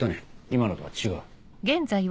今のとは違う。